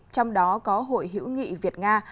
trong đó có hội hữu nghị việt nga